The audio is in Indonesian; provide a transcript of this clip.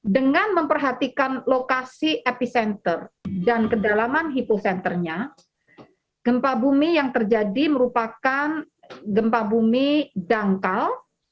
dengan memperhatikan lokasi epi senter dan kedalaman hipo senternya gempa bumi yang terjadi merupakan gempa bumi dangkal